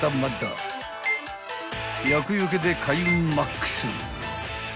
［厄除けで開運マックス］